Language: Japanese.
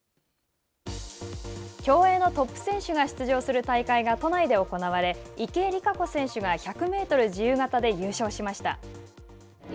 競泳のトップ選手が出場する大会が都内で行われ池江璃花子選手が１００メートル自由形で優勝しました。